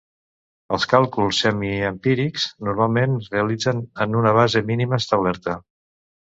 Els càlculs semiempírics normalment es realitzen en una base mínima establerta.